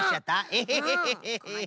エヘヘヘヘ。